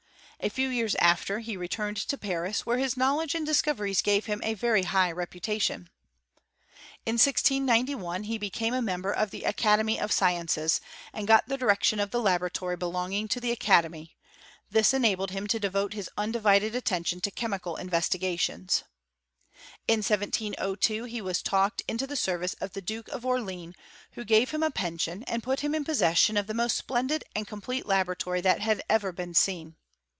A few yeari after he returned to Paris, where his knowledge and discoveries gave him a vei'y high reputation. In 1691 he became a member of the Academy of Sciences, and got the direction of the laboratory belonging to the academy : this enabled him to devote his undivided attention to chemical investigations. In 1702 he was taken into the service of the Duke of Orleans, who gave him a pension, and put him in possession of the most splendid and complete laboratory that had ever been seen.